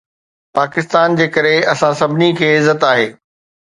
پاڪستان جي ڪري اسان سڀني کي عزت آهي.